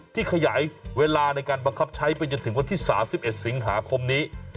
ขยายเวลาในการบังคับใช้ไปจนถึงวันที่๓๑สิงหาคมนี้